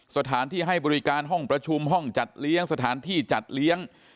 สถานที่ให้บริการห้องประชุมห้องจัดเลี้ยงสถานที่จัดเลี้ยง